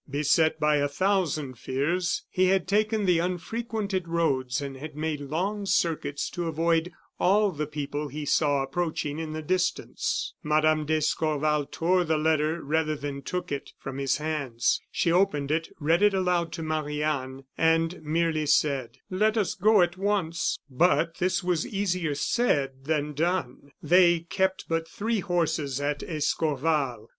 Beset by a thousand fears, he had taken the unfrequented roads and had made long circuits to avoid all the people he saw approaching in the distance. Mme. d'Escorval tore the letter rather than took it from his hands. She opened it, read it aloud to Marie Anne, and merely said: "Let us go at once." But this was easier said than done. They kept but three horses at Escorval.